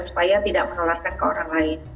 supaya tidak menularkan ke orang lain